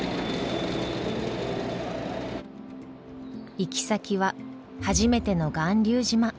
行き先は初めての巌流島。